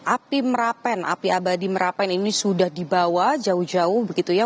api merapen api abadi merapen ini sudah dibawa jauh jauh begitu ya